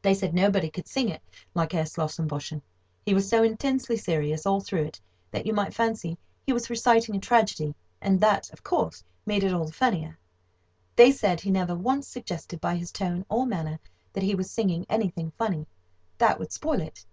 They said nobody could sing it like Herr Slossenn Boschen; he was so intensely serious all through it that you might fancy he was reciting a tragedy, and that, of course, made it all the funnier. They said he never once suggested by his tone or manner that he was singing anything funny—that would spoil it.